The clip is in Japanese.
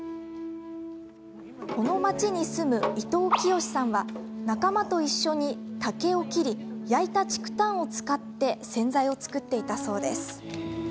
この町に住む伊藤清志さんは仲間と一緒に竹を切り焼いた竹炭を使って洗剤を作っていたそうです。